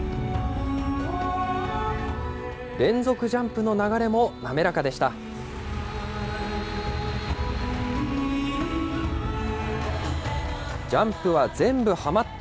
連続ジャンプの流れも滑らかでした。